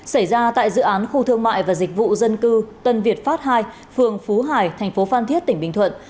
xảy ra tại dự án khu thương mại và dịch vụ dân cư tân việt pháp ii phường phú hải thành phố phan thiết tỉnh bình thuận